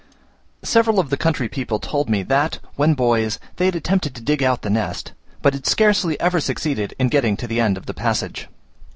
Several of the country people told me, that when boys, they had attempted to dig out the nest, but had scarcely ever succeeded in getting to the end of the passage.